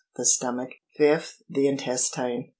The Stomach. 5th. The Intestine.